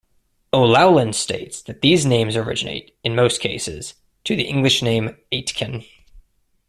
O'Laughlin states that these names originate, in most cases, to the English name "Aitken".